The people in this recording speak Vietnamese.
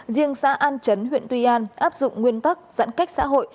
riêng xã an chấn huyện tuy an áp dụng nguyên tắc giãn cách xã hội